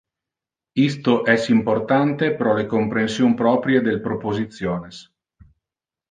Isto es importante pro le comprension proprie del propositiones.